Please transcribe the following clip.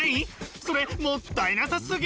それもったいなさすぎ！